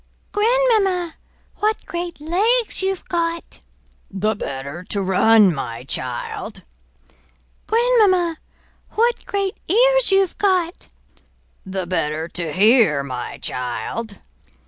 "Grandmamma, what great legs you've got!" "The better to run, my child." "Grandmamma, what great ears you've got!" "The better to hear, my child!"